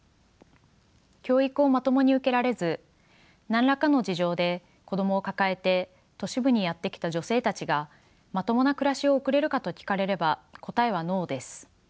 教育をまともに受けられず何らかの事情で子供を抱えて都市部にやって来た女性たちがまともな暮らしを送れるかと聞かれれば答えはノーです。